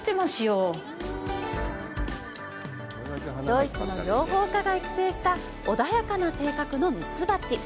ドイツの養蜂家が育成した穏やかな性格のミツバチ。